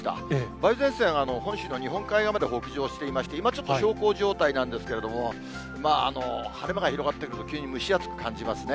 梅雨前線が本州の日本海側まで北上していまして、今ちょっと小康状態なんですけれども、晴れ間が広がってくると、急に蒸し暑く感じますね。